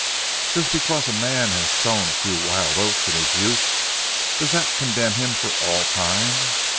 Just because a man has sown a few wild oats in his youth, does that condemn him for all time?